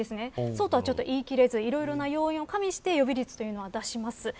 そうとはちょっと言い切れずいろいろな要因を加味して予備率というのは出します。